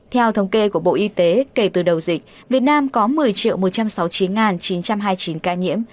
theo thống kê của bộ y tế kể từ đầu dịch việt nam có một mươi một trăm sáu mươi chín chín trăm hai mươi chín ca nhiễm